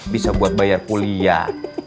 bisa buat bayar kuliah